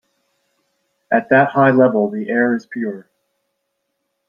At that high level the air is pure.